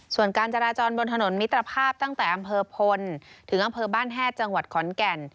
ส่วนการจราจรบนถนนมิตรภาพตั้งแต่อำเภอพลถึงอำเภอบ้านแฮดจังหวัดขอนแก่น